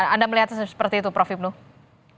anda melihatnya seperti itu prof ibnu